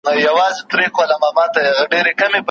نن چي دي ویر وژاړم څوک خو به څه نه وايي.